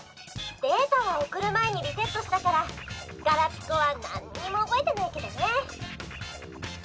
データはおくるまえにリセットしたからガラピコはなんにもおぼえてないけどね。